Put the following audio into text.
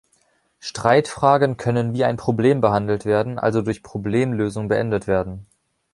Streitfragen können wie ein Problem behandelt werden, also durch Problemlösung beendet werden.